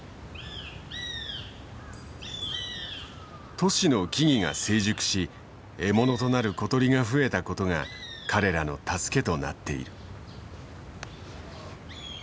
都市の木々が成熟し獲物となる小鳥が増えたことが彼らの助けとなっている。